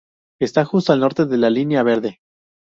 Está justo al norte de la Línea Verde.